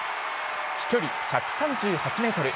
飛距離１３８メートル。